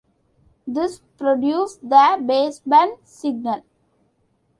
This produces the baseband signal.